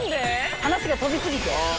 話が飛びすぎて。